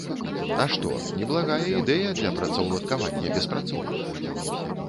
А што, неблагая ідэя для працаўладкавання беспрацоўных!